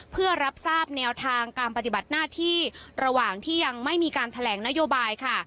เพื่อรับทราบแนวทางการปฏิบัติหน้าที่ระหว่างที่ยังไม่มีการแถลงนโยบายค่ะ